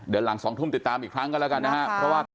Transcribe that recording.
เดี๋ยวหลัง๒ทุ่มติดตามอีกครั้งกันแล้วกันนะครับ